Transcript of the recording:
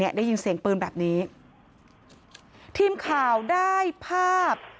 ได้ยินเสียงปืนแบบนี้ทีมข่าวได้ภาพ